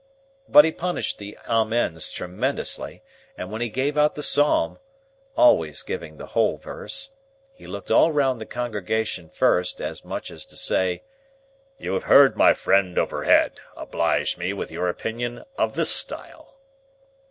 But he punished the Amens tremendously; and when he gave out the psalm,—always giving the whole verse,—he looked all round the congregation first, as much as to say, "You have heard my friend overhead; oblige me with your opinion of this style!"